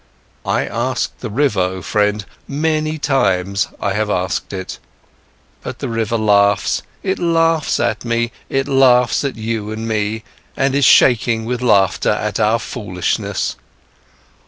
I asked the river, oh friend, many times I have asked it. But the river laughs, it laughs at me, it laughs at you and me, and is shaking with laughter at our foolishness.